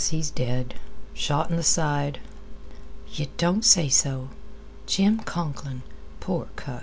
He's dead. Shot in th' side." "Yeh don't say so. Jim Conklin.